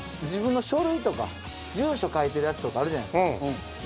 自分の書類とか住所書いてるやつとかあるじゃないですか？